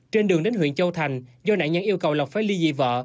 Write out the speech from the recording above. trên đường đến huyện châu thành do nạn nhân yêu cầu lộc phải ly dị vợ